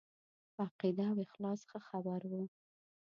په عقیده او اخلاص ښه خبر وو.